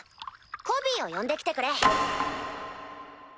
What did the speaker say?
コビーを呼んで来てくれ。